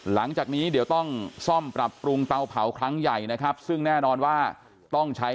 หลังจากนี้เดี๋ยวต้องซ่อมปรับปรุงเตาเผาครั้งใหญ่นะครับซึ่งแน่นอนว่าต้องใช้